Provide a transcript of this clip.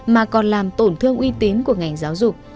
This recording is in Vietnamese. mà còn làm tổn thương uy tín của ngành giáo dục